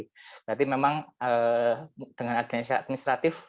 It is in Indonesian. berarti memang dengan adanya syarat administratif